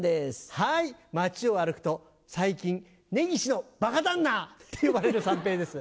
はい町を歩くと最近「ねぎしのバカ旦那」って呼ばれる三平です。